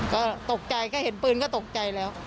ก็ตกใจแค่เห็นปืนก็ตกใจแล้ว